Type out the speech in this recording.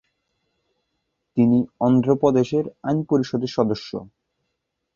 তিনি অন্ধ্র প্রদেশের আইন পরিষদের সদস্য।